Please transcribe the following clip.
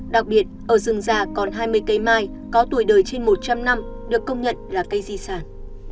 đặc biệt ở rừng già còn hai mươi cây mai có tuổi đời trên một trăm linh năm được công nhận là cây di sản